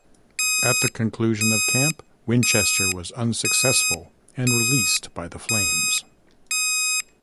At the conclusion of camp, Winchester was unsuccessful and released by the Flames.